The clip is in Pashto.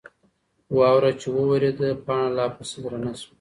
واوره چې وورېده، پاڼه لا پسې درنه شوه.